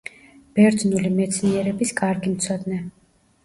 ბერძნული მეცნიერების კარგი მცოდნე.